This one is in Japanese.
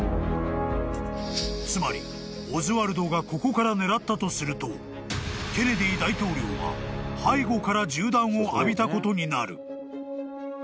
［つまりオズワルドがここから狙ったとするとケネディ大統領は背後から銃弾を浴びたことになる］